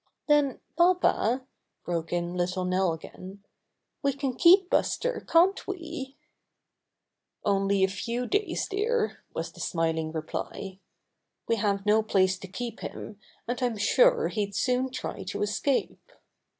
''Then, papa," broke in little Nell again, "we can keep Buster, can't we?" "Only a few days, dear," was the smiling reply. "We have no place to keep him, and I'm sure he'd soon try to escape."